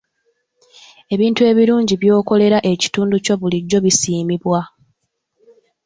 Ebintu ebirungi by'okolera ekitundu kyo bulijjo bisiimibwa.